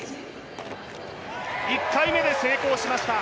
１回目で成功しました。